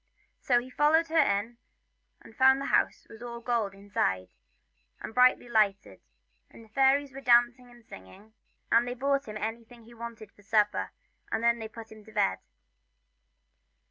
So he followed her in, and found the house was all gold inside it, and brightly lighted, and the fairies were dancing and singing, and they brought him anything he wanted for supper, and then they put him to bed.